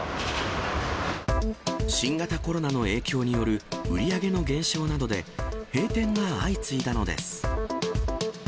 新型コロナの影響による売り上げの減少などで、閉店が相次いだのです。